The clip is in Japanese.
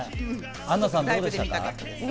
アンナさんどうでしたか？